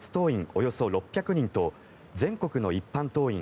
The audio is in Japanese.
およそ６００人と全国の一般党員